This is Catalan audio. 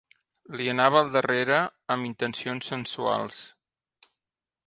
Li anava al darrere amb intencions sensuals.